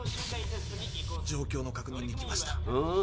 状況の確認に来ました。